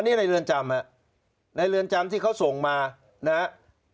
นี่ในเรือนจำฮะในเรือนจำที่เขาส่งมานะครับ